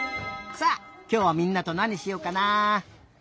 さあきょうはみんなとなにしようかなあ？